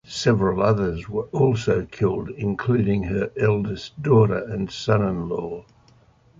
Several others were also killed, including her eldest daughter and son-in-law.